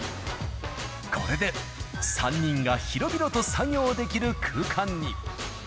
これで３人が広々と作業できる空間に。